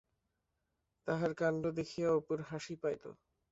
তাহার কাণ্ড দেখিয়া অপুর হাসি পাইল।